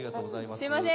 すみません。